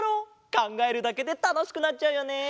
かんがえるだけでたのしくなっちゃうよねえ。